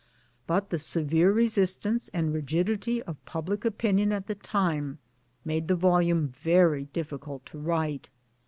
But the severe resistance and rigidity of public opinion at the time made the volume very difficult to write.